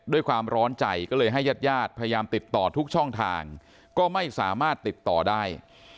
ด้วยความร้อนใจก็เลยให้ญาติญาติพยายามติดต่อทุกช่องทางก็ไม่สามารถติดต่อได้